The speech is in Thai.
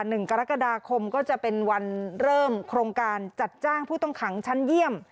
หนึ่งกรกฎาคมก็จะเป็นวันเริ่มโครงการจัดจ้างผู้ต้องขังชั้นเยี่ยม